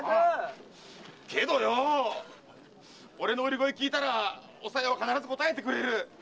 けどよ俺の売り声聞いたらおさよは必ず応えてくれる。